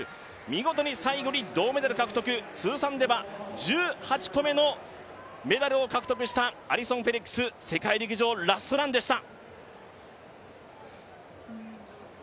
見事に最後に銅メダル獲得、通算では１８個目のメダルを獲得したアリソン・フェリックス世界陸上ラストランでした。